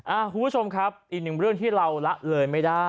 คุณผู้ชมครับอีกหนึ่งเรื่องที่เราละเลยไม่ได้